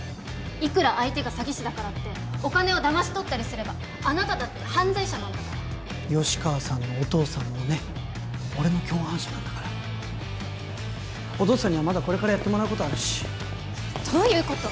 いくら相手が詐欺師だからってお金をだまし取ったりすればあなただって犯罪者なんだから吉川さんのお父さんもね俺の共犯者なんだからお父さんにはまだこれからやってもらうことあるしどういうこと？